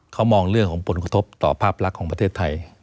เขามองเรื่องของผลกระทบต่อภาพลักษณ์ของประเทศไทย